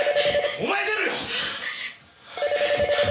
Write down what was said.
お前出ろよ！